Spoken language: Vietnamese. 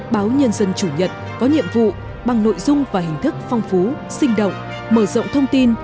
báo nhân dân chủ nhật có nhiệm vụ bằng nội dung và hình thức phong phú sinh động mở rộng thông tin